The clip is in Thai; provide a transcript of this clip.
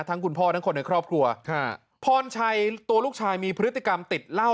คุณพ่อทั้งคนในครอบครัวพรชัยตัวลูกชายมีพฤติกรรมติดเหล้า